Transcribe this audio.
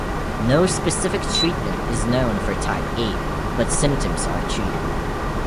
No specific treatment is known for type A, but symptoms are treated.